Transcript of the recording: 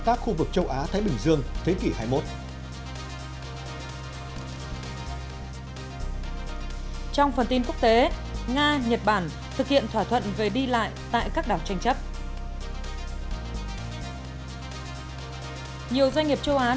nhiều doanh nghiệp châu á đình trệ vì tấn công mạng